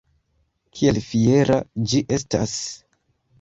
Kiel fiera ĝi estas!